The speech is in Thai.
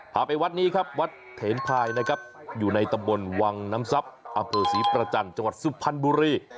ไปวัดนี้ครับวัดเถนพายนะครับอยู่ในตำบลวังน้ำทรัพย์อำเภอศรีประจันทร์จังหวัดสุพรรณบุรี